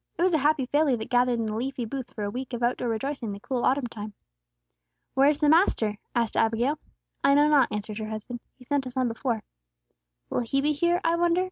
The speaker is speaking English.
It was a happy family that gathered in the leafy booth for a week of out door rejoicing in the cool autumn time. "Where is the Master?" asked Abigail. "I know not," answered her husband. "He sent us on before." "Will He be here, I wonder?"